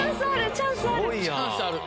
チャンスある！